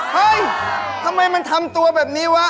เฮ้ยทำไมมันทำตัวแบบนี้วะ